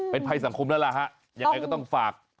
เป็นภัยสังคมนั่นแหละอย่างไรก็ต้องฝาก